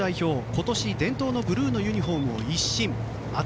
今年、伝統のブルーのユニホームを一新。